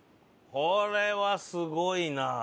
これはすごいなあ。